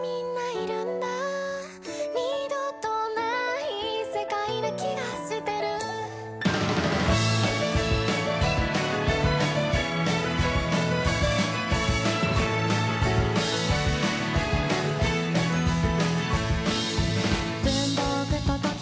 「二度とない世界な気がしてる」「文房具と時計